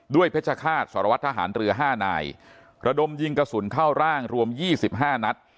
เพชรฆาตสารวัตรทหารเรือ๕นายระดมยิงกระสุนเข้าร่างรวม๒๕นัด